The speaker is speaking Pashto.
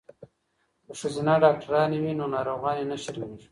که ښځینه ډاکټرانې وي نو ناروغانې نه شرمیږي.